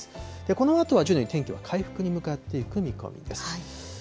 このあとは徐々に天気は回復に向かっていく見込みです。